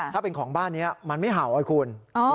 ถ้าเป็นของบ้านนี้มันไม่เห่าไอ้คุณ